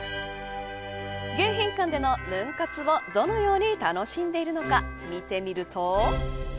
迎賓館でのヌン活をどのように楽しんでいるのか見てみると。